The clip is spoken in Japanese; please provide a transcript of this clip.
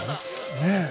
ねえ？